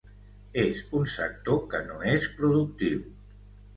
És un sector que no és productiu.